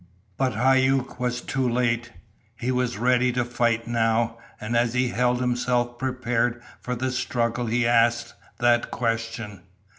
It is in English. But Hauck was too late. He was ready to fight now, and as he held himself prepared for the struggle he asked that question.